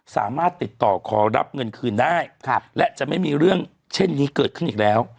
สามารถติดต่อขอรับเงินคืนได้และจะไม่มีเรื่องเช่นนี้เกิดขึ้นอีกแล้ว